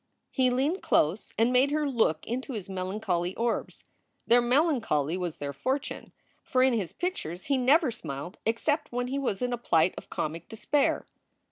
He leaned close and made her look into his melancholy orbs. Their melancholy was their fortune, for in his pictures he never smiled except when he was in a plight of comic despair.